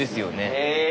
へえ！